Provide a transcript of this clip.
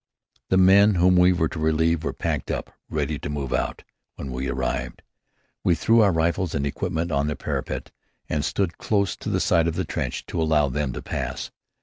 The men whom we were to relieve were packed up, ready to move out, when we arrived. We threw our rifles and equipment on the parapet and stood close to the side of the trench to allow them to pass.